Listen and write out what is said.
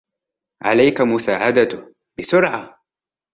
عليك مساعدته ، بسرعة!